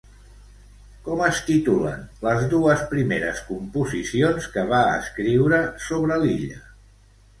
Com es titulen les dues primeres composicions que va escriure sobre l'illa?